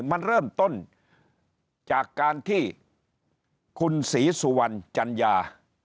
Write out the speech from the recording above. มันเริ่มต้นจากการที่คุณศรีสุวรรณจัญญา